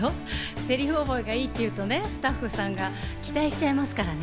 セリフ覚えがいいって言うとね、スタッフさんが期待しちゃいますからね。